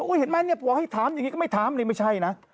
อย่าโกรธนะอย่าด่าอย่าบอกให้ถามอย่างนี้ก็ไม่ถามเลยไม่ใช่นะ